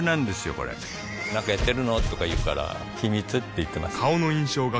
これなんかやってるの？とか言うから秘密って言ってます